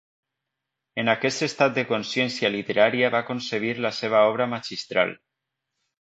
En aquest estat de consciència literària va concebir la seva obra magistral.